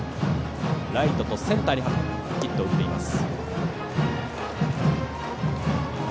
ライトとセンターにヒットを打っています。